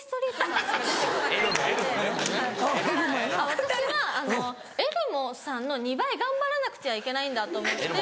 私はエルモさんの２倍頑張らなくちゃいけないんだと思って。